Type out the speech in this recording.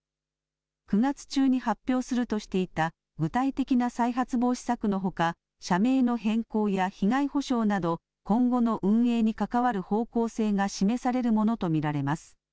９月中に発表するとしていた具体的な再発防止策のほか社名の変更や被害補償など今後の運営に関わる方向性が示されるものと見られます。